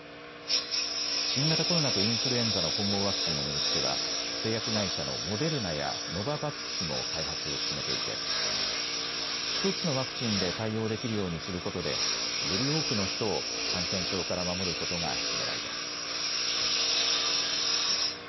新型コロナとインフルエンザの混合ワクチンを巡っては製薬会社のモデルナやノババックスも開発を進めていて１つのワクチンで対応できるようにすることで、より多くの人を感染症から守ることがねらいです。